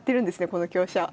この香車。